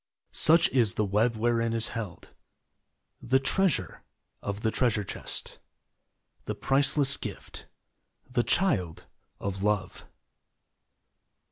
Such is the web wherein is held The treasure of the treasure chest The priceless gift — the Child of Love.